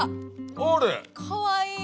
かわいい！